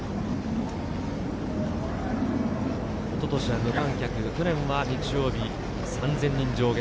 一昨年は無観客、去年は日曜日、３０００人が上限。